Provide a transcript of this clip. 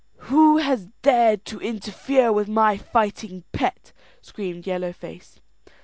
"Who has dared to interfere with my fighting pet?" screamed Yellow Face.